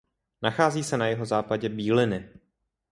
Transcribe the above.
Nachází se na jihozápadě Bíliny.